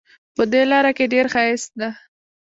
په دې لاره کې ډېر ښایست ده